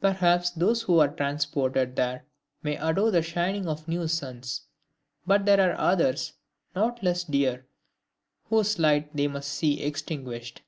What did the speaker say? Perhaps those who are transported there may adore the shining of new suns but there are others not less dear whose light they must see extinguished!